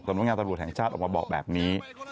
นักงานตำรวจแห่งชาติออกมาบอกแบบนี้